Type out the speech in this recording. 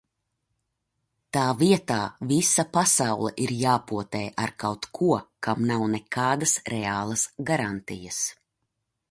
Tā vietā visa pasaule ir jāpotē ar kaut ko, kam nav nekādas reālas garantijas...